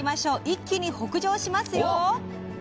一気に北上しますよ。